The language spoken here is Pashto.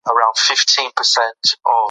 نوم چې په زرینو کرښو لیکل سوی، د ملالۍ دی.